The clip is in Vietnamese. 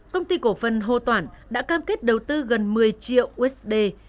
công ty cổ phần hồ toản đã cam kết đầu tư gần một mươi triệu usd